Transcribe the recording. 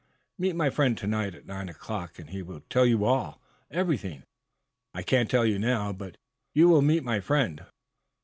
Meet my friend, to night, at nine o'clock, and he will tell you all everything. I cannot tell you now. But you will meet my friend?"